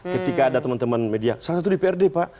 ketika ada teman teman media salah satu dprd pak